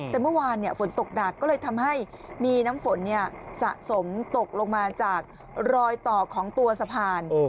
แต่เมื่อวานฝนตกหนักก็เลยทำให้มีน้ำฝนสะสมตกลงมาจากรอยต่อของตัวสะพาน